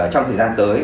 trong thời gian tới